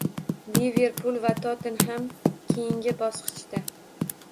“Liverpul” va “Tottenhem” keyingi bosqichda